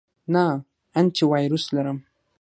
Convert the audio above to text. نه، انټی وایرس لرم